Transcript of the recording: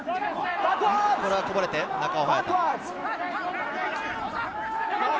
これはこぼれて中尾隼太。